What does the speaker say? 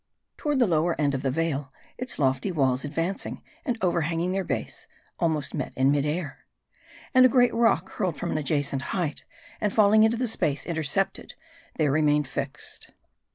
Toward the lower end of the vale, its lofty walls ad vane 184 MARDI. ing and overhanging their base, almost met in mid air. And a great rock, hurled from an adjacent height, and falling into the space intercepted, there remained fixed.